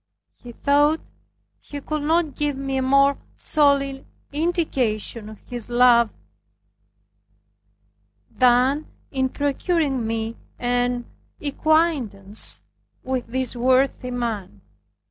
He thought he could not give me a more solid indication of his love than in procuring me an acquaintance with this worthy man.